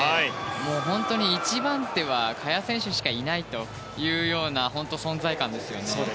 本当に１番手は萱選手しかいないというような本当に存在感ですよね。